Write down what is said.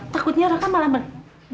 takutnya raka malah bantuin